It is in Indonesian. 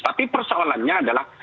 tapi persoalannya adalah